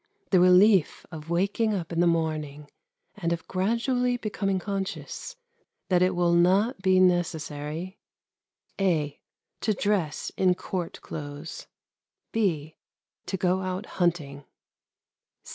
The relief of waking up in the morning and of gradually becoming conscious that it will not be necessary (a) To dress in Court clothes. (b) To go out hunting.